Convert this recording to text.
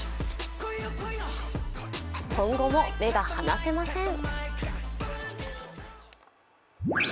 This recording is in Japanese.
今後も目が離せません。